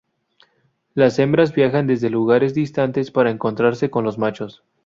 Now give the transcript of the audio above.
Las hembras viajan desde lugares distantes, para encontrarse con los machos.